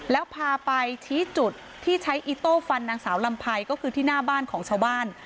แล้วพาไปชี้จุดที่ใช้อิโต้ฟันนางสาวลำไพรก็คือที่หน้าบ้านของชาวบ้าน